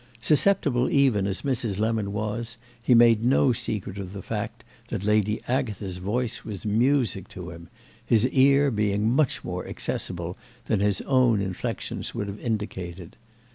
Susceptible even as Mrs. Lemon was he made no secret of the fact that Lady Agatha's voice was music to him, his ear being much more accessible than his own inflexions would have indicated.